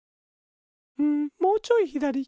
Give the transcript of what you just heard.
うんもうちょいひだり。